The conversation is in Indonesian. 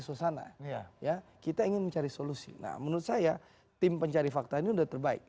suasana ya kita ingin mencari solusi nah menurut saya tim pencari fakta ini sudah terbaik